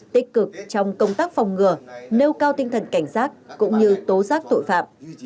tích cực trong công tác phòng ngừa nêu cao tinh thần cảnh giác cũng như tố giác tội phạm